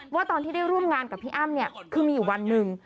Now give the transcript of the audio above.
ว่าตอนที่ได้ร่วมงานกับพี่อ้ำเนี่ยคือมีอยู่วันหนึ่ง